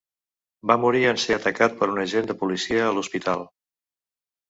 Va morir en ser atacat per un agent de policia a l'hospital.